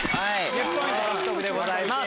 １０ポイント獲得でございます。